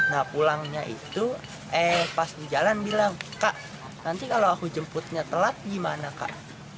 nah pulangnya itu eh pas di jalan bilang kak nanti kalau aku jemputnya telat gimana kak